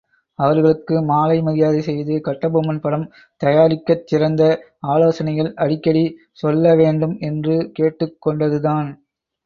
அவர்களுக்கு மாலை மரியாதை செய்து கட்ட்பொம்மன் படம் தயாரிக்கச்சிறந்த ஆலோசனைகள் அடிக்கடி சொல்ல வேண்டும் என்று கேட்டுக் கொண்டதுதான்.